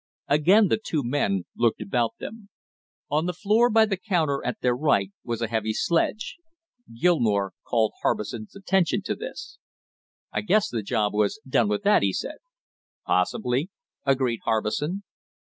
Again the two men looked about them. On the floor by the counter at their right was a heavy sledge. Gilmore called Harbison's attention to this. "I guess the job was done with that," he said. "Possibly," agreed Harbison.